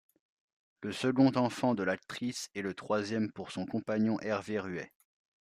Le second enfant de l'actrice et le troisième pour son compagnon Hervé Ruet.